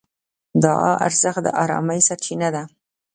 د دعا ارزښت د ارامۍ سرچینه ده.